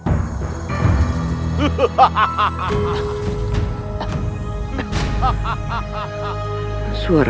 jangan biru diri